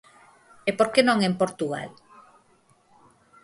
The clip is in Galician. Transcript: E por que non en Portugal...